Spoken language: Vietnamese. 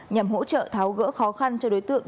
nhằm hỗ trợ tháo gỡ khó khăn cho đối tượng